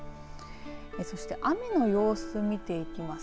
そして雨の様子を見ていきます。